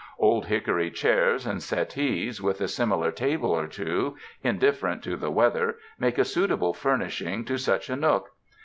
Old hickory chairs and settees, with a similar table or two, indifferent to the weather, make a suitable furnishing to such a nook.